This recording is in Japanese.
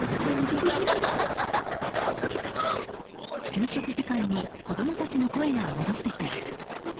給食時間に子供たちの声が戻ってきます。